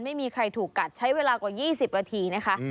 ไม่มีใครถูกกัดใช้เวลากว่า๒๐นาทีนะคะ